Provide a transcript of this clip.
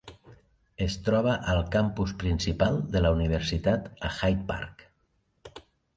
Es troba al campus principal de la universitat a Hyde Park.